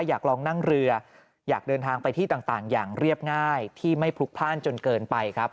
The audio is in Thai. อยากลองนั่งเรืออยากเดินทางไปที่ต่างอย่างเรียบง่ายที่ไม่พลุกพลาดจนเกินไปครับ